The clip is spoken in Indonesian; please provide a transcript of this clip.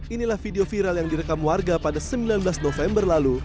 inilah video viral yang direkam warga pada sembilan belas november lalu